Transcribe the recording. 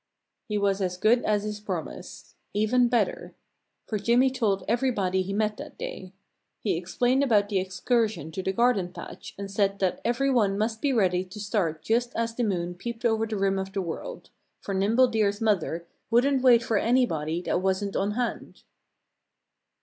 He was as good as his promise even better. For Jimmy told everybody he met that day. He explained about the excursion to the garden patch and said that every one must be ready to start just as the moon peeped over the rim of the world, for Nimble Deer's mother wouldn't wait for anybody that wasn't on hand.